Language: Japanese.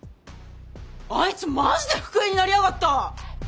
あいつマジで副編になりやがった！